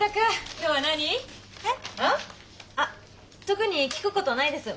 特に聞くことないです。